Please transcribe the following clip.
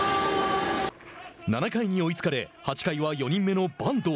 ７回に追いつかれ８回は４人目の板東。